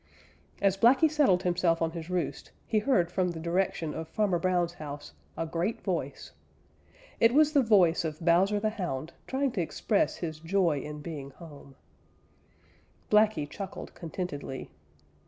As Blacky settled himself on his roost he heard from the direction of Farmer Brown's house a great voice. It was the voice of Bowser the Hound trying to express his joy in being home. Blacky chuckled contentedly.